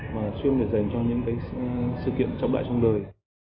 mà chuyên để dành cho những cái sự kiện trọng đại trong đời